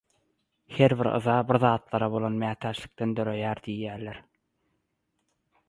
Her bir yza birzatlara bolan mätäçlikden döreýän diýýärler.